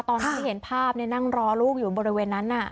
ตอนที่เห็นภาพนั่งรอลูกอยู่บริเวณนั้น